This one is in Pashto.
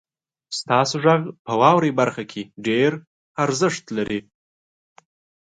ستاسو غږ په واورئ برخه کې ډیر ارزښت لري.